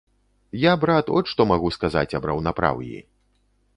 Я, брат, от што магу сказаць аб раўнапраўі.